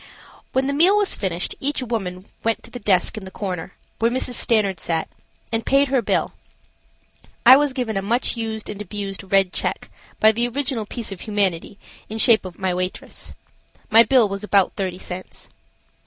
When the meal was finished each woman went to the desk in the corner, where Mrs. Stanard sat, and paid her bill. I was given a much used, and abused, red check, by the original piece of humanity in shape of my waitress. My bill was about thirty cents.